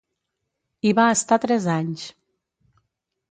Hi va estar tres anys.